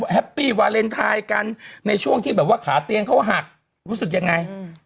แฮปปี้วาเลนไทยกันในช่วงที่แบบว่าขาเตียงเขาหักรู้สึกยังไง